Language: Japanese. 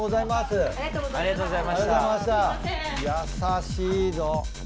優しいぞ。